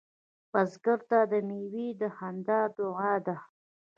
بزګر ته د میوې خندا دعا ده